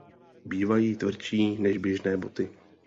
Bývají tvrdší než běžné boty.